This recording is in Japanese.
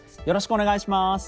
よろしくお願いします。